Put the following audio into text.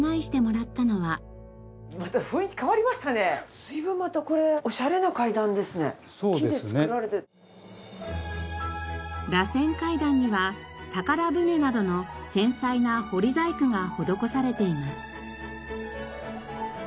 らせん階段には宝船などの繊細な彫り細工が施されています。